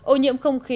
ô nhiễm không khí